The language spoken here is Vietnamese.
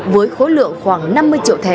với khối lượng khoảng năm mươi triệu thẻ